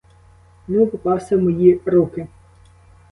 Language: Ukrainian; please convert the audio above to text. Ну, попався в мої руки.